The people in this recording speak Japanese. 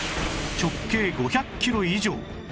直径５００キロ以上